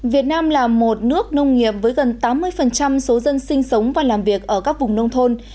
việt nam là một nước nông nghiệp với gần tám mươi số dân sinh sống và làm việc ở các vùng nông thôn